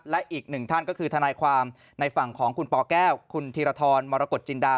และอีกหนึ่งท่านก็คือทนายความในฝั่งของคุณปแก้วคุณธีรทรมรกฏจินดา